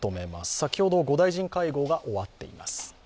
先ほど５大臣会合が終わっています。